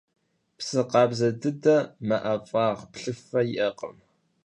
Psı khabze dıdem me, 'ef'ağ, plhıfe yi'ekhım.